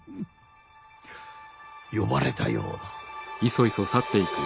呼ばれたようだ。